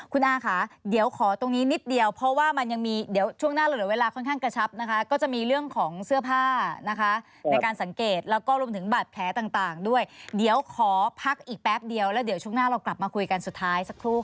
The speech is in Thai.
คุณอาค่ะเดี๋ยวขอตรงนี้นิดเดียวเพราะว่ามันยังมีเดี๋ยวช่วงหน้าเราเหลือเวลาค่อนข้างกระชับนะคะก็จะมีเรื่องของเสื้อผ้านะคะในการสังเกตแล้วก็รวมถึงบาดแผลต่างด้วยเดี๋ยวขอพักอีกแป๊บเดียวแล้วเดี๋ยวช่วงหน้าเรากลับมาคุยกันสุดท้ายสักครู่